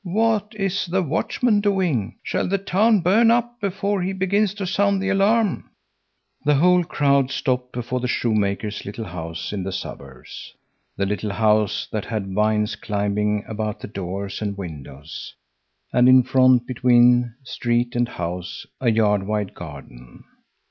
What is the watchman doing? Shall the town burn up before he begins to sound the alarm?" The whole crowd stopped before the shoemaker's little house in the suburbs, the little house that had vines climbing about the doors and windows, and in front, between street and house, a yard wide garden.